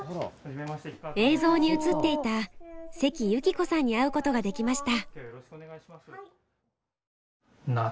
映像に映っていた関有希子さんに会うことができました。